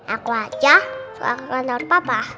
aku aja aku nonton papa